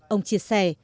ông chia sẻ